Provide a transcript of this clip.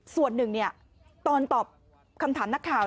ส่วนหนึ่งตอนตอบคำถามนักข่าว